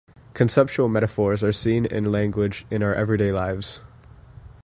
Conceptual metaphors are seen in language in our everyday lives.